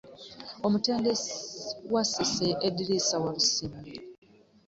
Omutendesi wa Ssese ye Edrisa Walusimbi